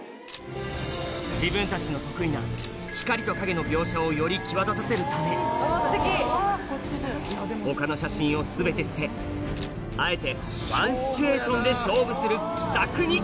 ・自分たちの得意な光と影の描写をより際立たせるため他の写真を全て捨てあえてワンシチュエーションで勝負する奇策に！